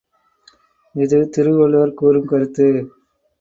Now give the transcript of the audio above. இது திருவள்ளுவர் கூறும் கருத்து.